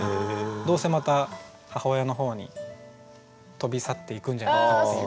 どうせまた母親の方に飛び去っていくんじゃないかっていう。